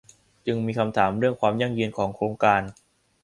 จึงมีคำถามถึงเรื่องความยั่งยืนของโครงการ